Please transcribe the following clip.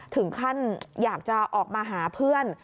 ถึงขั้นอยากจะออกมาหาเพื่อน